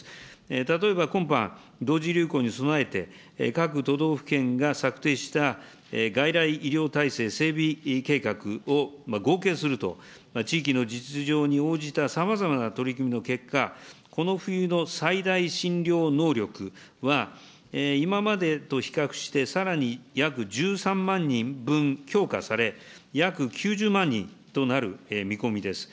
例えば今般、同時流行に備えて、各都道府県が策定した、外来医療体制整備計画を合計すると、地域の実情に応じたさまざまな取り組みの結果、この冬の最大診療能力は、今までと比較してさらに約１３万人分強化され、約９０万人となる見込みです。